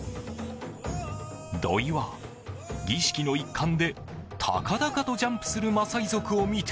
土井は儀式の一環で高々とジャンプするマサイ族を見て